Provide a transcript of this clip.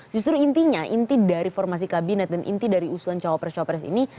justru intinya inti dari formasi kabinet dan inti dari usulan cawapres cawapres ini